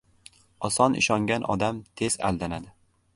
• Oson ishongan odam tez aldanadi.